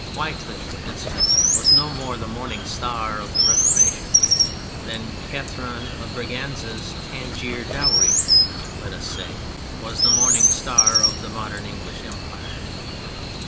Wycliffe, for instance, was no more the morning star of the Reformation than Catherine of Braganza's Tangier Dowry, let us say, was the morning star of the modern English Empire.